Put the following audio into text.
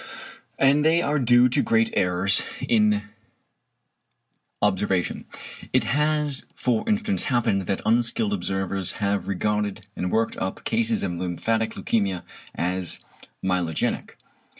And they are due to great errors in observation. It has for instance happened that unskilled observers have regarded and worked up cases of lymphatic leukæmia as myelogenic.